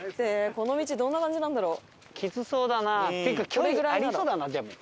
この道どんな感じなんだろう？